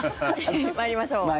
参りましょう。